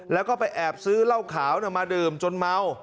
แล้วก็ไปแอบซื้อเหล้าขาวมาดื่มจนเมา